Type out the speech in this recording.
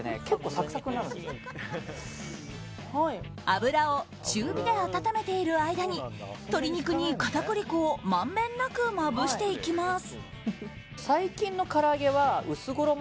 油を中火で温めている間に鶏肉に片栗粉をまんべんなくまぶしていきます。